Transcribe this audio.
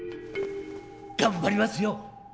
頑張りますよ！